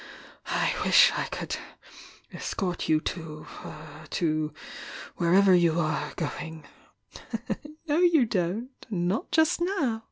I wish I could escort you to — to wher ever you are going " "No, you don't— not just now!"